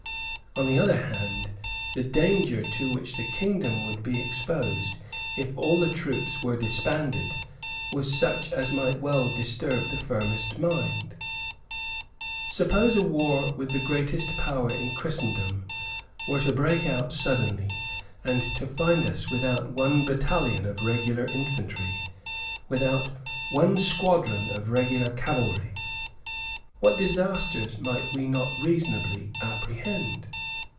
On the other hand, the danger to which the kingdom would be exposed if all the troops were disbanded was such as might well disturb the firmest mind. Suppose a war with the greatest power in Christendom to break out suddenly, and to find us without one battalion of regular infantry, without one squadron of regular cavalry; what disasters might we not reasonably apprehend?